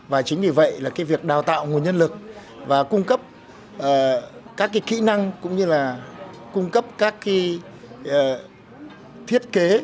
và chính vì vậy là cái việc đào tạo nguồn nhân lực và cung cấp các kỹ năng cũng như là cung cấp các thiết kế